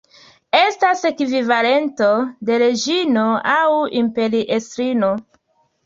Estas ekvivalento de "reĝino" aŭ "imperiestrino".